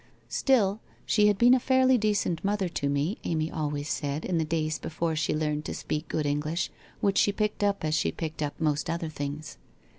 'Still, she had been a fairly decent mother to me/ Amy always said, in the days before she learned to speak good English, which she picked up as she picked up most other things.